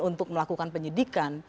untuk melakukan penyidikan